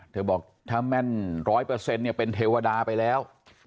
เธอบอกถ้าแม่นร้อยเปอร์เซ็นต์เนี่ยเป็นเทวดาไปแล้ว